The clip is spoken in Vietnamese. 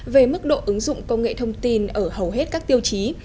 về mức độ ứng dụng công nghệ thông tin ở hầu hết các tiêu chí